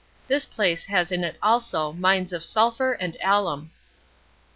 This place has in it also mines of sulfur and alum.